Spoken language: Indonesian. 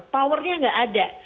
powernya tidak ada